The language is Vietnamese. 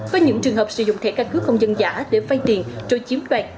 với những trường hợp sử dụng thẻ căn cứ công dân giả để phai tiền trôi chiếm đoạn